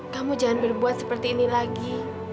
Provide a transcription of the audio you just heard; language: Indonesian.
kamu jangan berbuat seperti ini lagi